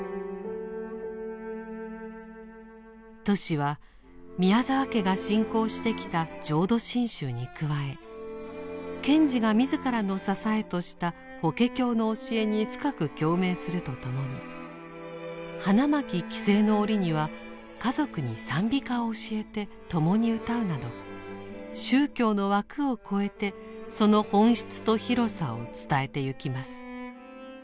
トシは宮沢家が信仰してきた浄土真宗に加え賢治が自らの支えとした「法華経」の教えに深く共鳴するとともに花巻帰省の折には家族に賛美歌を教えて共に歌うなど宗教の枠を超えてその本質と広さを伝えてゆきます。